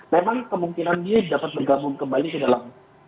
memang kemungkinan dia dapat bergabung kembali ke dalam